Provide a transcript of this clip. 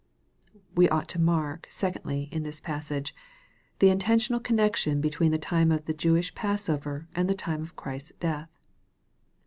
We ought to mark, secondly, in this passage, the in tentional connection between the time of the Jewish passover and the time of Christ s death.